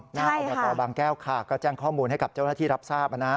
ใช่ค่ะน่าออกมาต่อบางแก้วค่ะก็แจ้งข้อมูลให้กับเจ้าหน้าที่รับทราบอ่ะนะ